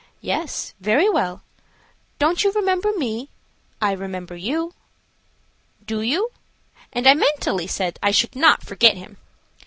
"Yes, very well. Don't you remember me? I remember you." "Do you?" and I mentally said I should not forget him.